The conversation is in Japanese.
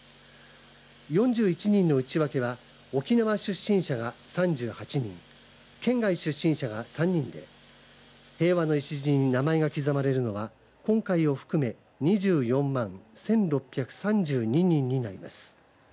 ４１人の内訳は沖縄出身者が３８人県外出身者が３人で平和の礎に名前が刻まれるのは今回を含め２４万１６３２人になります。